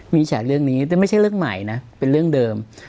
มีแฉกเรื่องนี้แต่ไม่ใช่เรื่องใหม่นะเป็นเรื่องเดิม